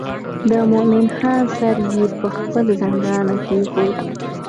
د مومن خان سر یې پر خپل زنګانه کېښود.